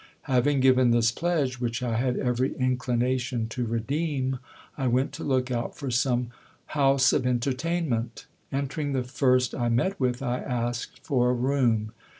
Having given this pledge, which I had every inclination to redeem, I went to look out for some house of entertain ment. Entering the first I met with, I asked for a room.